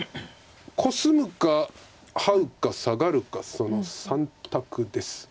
コスむかハウかサガるかその３択です。